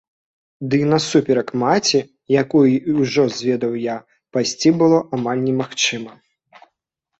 Ды і насуперак маці, якую ўжо зведаў я, пайсці было амаль немагчыма.